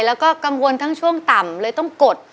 แล้วก็กังวลทั้งช่วงต่ำเลยต้องกด